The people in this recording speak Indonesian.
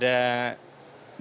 daerah lain yang berpotensi